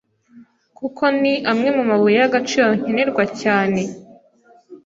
kuko ni amwe mu mabuye y’agaciro nkenerwa cyane